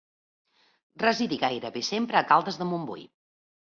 Residí gairebé sempre a Caldes de Montbui.